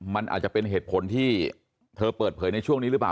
มันอาจจะเป็นเหตุผลที่เธอเปิดเผยในช่วงนี้หรือเปล่า